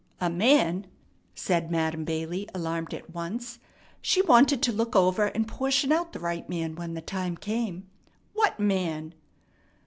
"A man!" said Madam Bailey, alarmed at once. She wanted to look over and portion out the right man when the time came. "What man?"